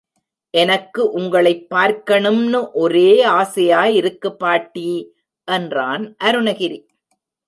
எனக்கு உங்களைப் பார்க்கணும்னு ஒரே ஆசையா இருக்கு பாட்டி! என்றான் அருணகிரி.